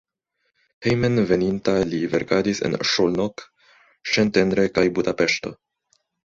Hejmenveninta li verkadis en Szolnok, Szentendre kaj Budapeŝto.